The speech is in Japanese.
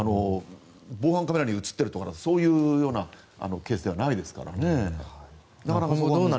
防犯カメラに映っているとかそういうケースではないですからね。